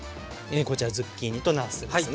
こちらズッキーニとなすですね。